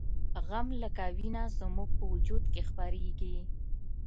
غم لکه وینه زموږ په وجود کې خپریږي